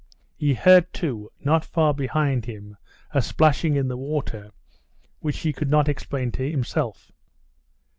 He heard too, not far behind him, a splashing in the water, which he could not explain to himself.